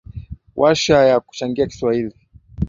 Warsha ya kuchangia kiswahili